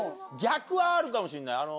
逆はあるかもしれない。